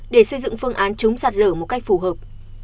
để xây dựng phương án chống sạt lở một cách phù hợp